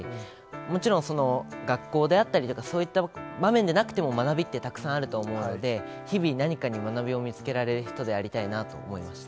もちろんその学校であったりとか、そういった場面でなくても、学びってたくさんあると思うので、日々、何かに学びを見つけられる人でありたいなと思いました。